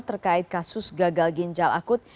terkait kasus gagal ginjal akut